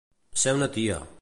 Ser una tia.